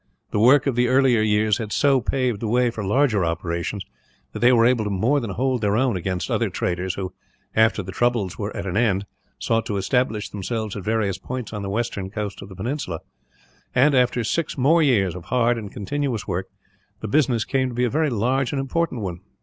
The work of the earlier years had so well paved the way for larger operations that they were able to more than hold their own against other traders who, after the troubles were at an end, sought to establish themselves at various points on the western coast of the peninsula; and after six more years of hard and continuous work, the business came to be a very large and important one.